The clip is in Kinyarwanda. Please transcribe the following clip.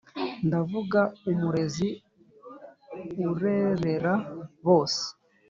Ndavuga umurezi urerera bose,